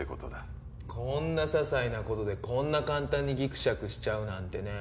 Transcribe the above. こんな些細な事でこんな簡単にギクシャクしちゃうなんてね。